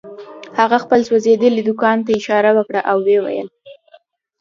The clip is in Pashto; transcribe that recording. هغه خپل سوځېدلي دوکان ته اشاره وکړه او ويې ويل.